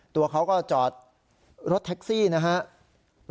ตัวเขาก็จอดรถแท็กซี่นะครับ